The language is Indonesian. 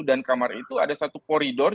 dan kamar itu ada satu koridor